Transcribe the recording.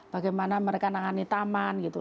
bagaimana mereka nangani taman gitu